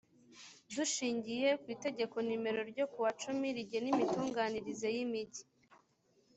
dushingiye ku itegeko nimero ryo kuwa cumi rigena imitunganyirize yimigi